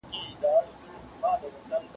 منځنۍ پېړۍ د اروپا د تاريخ دوره ده.